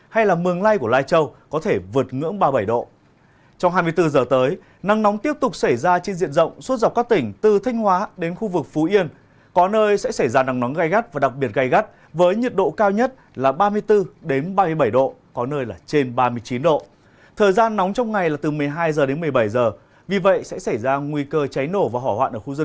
hãy đăng ký kênh để ủng hộ kênh của chúng mình nhé